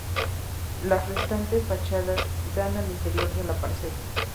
Las restantes fachadas dan al interior de la parcela.